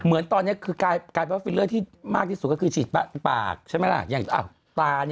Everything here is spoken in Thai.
เหมือนตอนนี้การฟิลเลอร์ที่มากที่สุดคือฝีคันปากใช่ไหมนะ